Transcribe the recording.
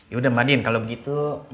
yaudah mbak andin kalau begitu